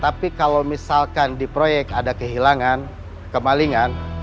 tapi kalau misalkan di proyek ada kehilangan kemalingan